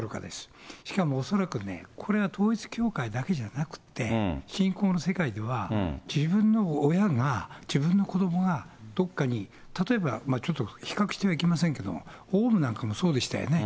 しかも恐らくね、これは統一教会だけじゃなくって、信仰の世界では、自分の親が、自分の子どもが、どっかに、例えばちょっと比較してはいけませんけれども、オウムなんかもそうでしたよね。